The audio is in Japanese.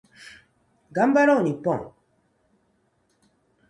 頑張ろう日本